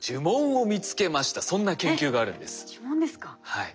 はい。